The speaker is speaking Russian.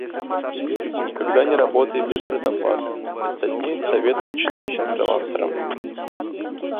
«Никогда не работай без предоплаты» — из статьи "Советы начинающим фрилансерам".